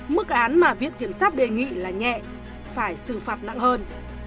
mức án mà viện kiểm sát đề nghị là nhẹ phải xử phạt nặng hơn